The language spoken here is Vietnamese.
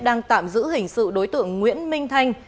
đang tạm giữ hình sự đối tượng nguyễn minh thanh